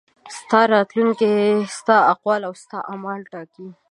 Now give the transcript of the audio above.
ستا راتلونکی ستا اقوال او ستا اعمال ټاکي.